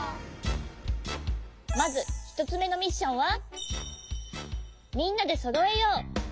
まずひとつめのミッションは「みんなでそろえよう」。